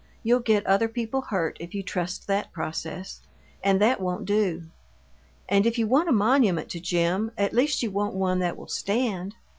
You'll get other people hurt if you trust that process, and that won't do. And if you want a monument to Jim, at least you want one that will stand.